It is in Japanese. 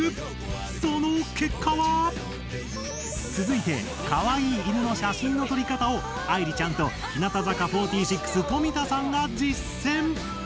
その結果は⁉続いてかわいい犬の写真の撮り方を愛莉ちゃんと日向坂４６富田さんが実践！